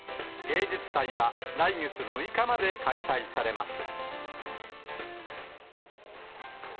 芸術祭は来月６日まで開催されます。